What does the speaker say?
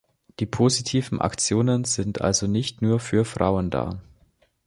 Die positiven Aktionen sind also nicht nur für Frauen da.